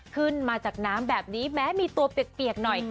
ขึ้นมาจากน้ำแบบนี้แม้มีตัวเปียกหน่อย